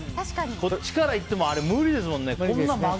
こっちからいってもあれ無理ですもんね。